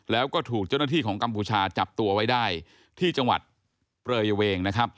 แล้วก็ถูกเจ้าหน้าที่ของกัมพูชาจับตัวไว้ได้ที่จังหวัดเปรยเวงนะครับ